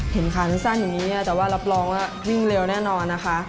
ขาสั้นอย่างนี้แต่ว่ารับรองว่าวิ่งเร็วแน่นอนนะคะ